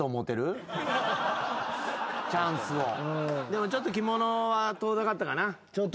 でもちょっと着物は遠ざかったかな。